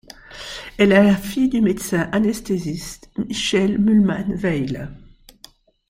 Elle est la fille du médecin anesthésiste Michèle Muhlmann-Weill.